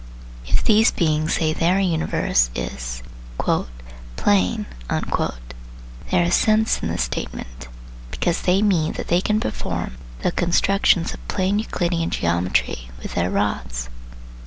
If these beings say their universe is " plane," there is sense in the statement, because they mean that they can perform the constructions of plane Euclidean geometry with their rods.